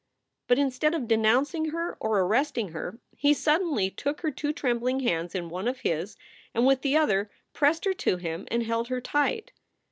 But instead of denouncing her or arresting her, he sud denly took her two trembling hands in one of his and with the other pressed her to him and held her tight.